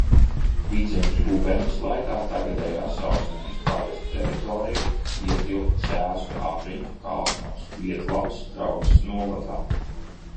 Vidzemes guberņas laikā tagadējā Sausnējas pagasta teritorija ietilpa Cēsu apriņķa Kalsnavas–Vietalvas draudzes novadā.